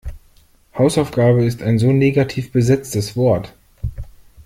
Hausaufgabe ist so ein negativ besetztes Wort.